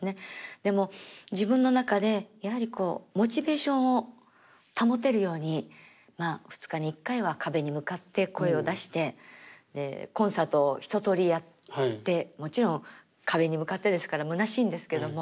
でも自分の中でやはりこうモチベーションを保てるようにまあ２日に一回は壁に向かって声を出してでコンサートを一とおりやってもちろん壁に向かってですからむなしいんですけども。